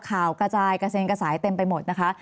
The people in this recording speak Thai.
กระจายกระเซ็นกระสายเต็มไปหมดนะคะ